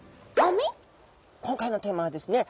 今回のテーマはですね